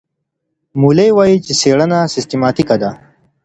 مولي وايي چي څېړنه سیستماتیکه ده.